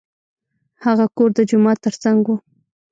هغه کور د جومات تر څنګ و.